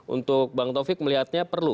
untuk bang taufik melihatnya perlu